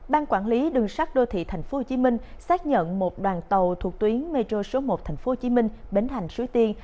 ban quản lý đường sắt đô thị tp hcm xác nhận một đoàn tàu thuộc tuyến metro số một tp hcm bến thành suối tiên